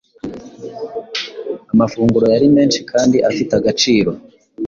Amafunguro yari menshikandi afite agaciro